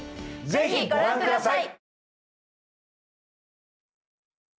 是非ご覧下さい！